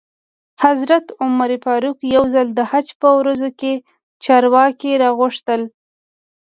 حضرت عمر فاروق یو ځل د حج په ورځو کې چارواکي را وغوښتل.